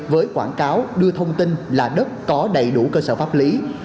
với quảng cáo đưa thông tin là đất có đầy đủ cơ sở pháp lý